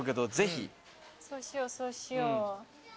そうしようそうしよう。